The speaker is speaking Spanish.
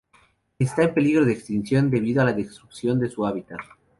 Está en peligro de extinción debido a la destrucción de su hábitat..